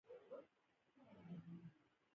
فقر او بېوزلي کمیږي.